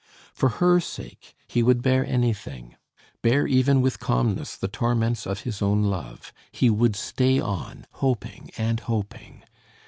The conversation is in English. For her sake he would bear anything bear even with calmness the torments of his own love; he would stay on, hoping and hoping.